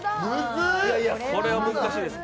これは難しいです。